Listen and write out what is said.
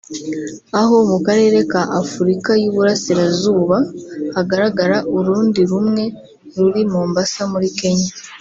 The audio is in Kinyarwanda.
aho mu karere ka Afurika y’uburasirazuba hagaragara urundi rumwe ruri Mombasa muri Kenya